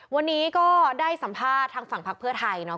วันนี้ก็ได้สัมภาษณ์ทางฝั่งพักเพื่อไทยเนาะ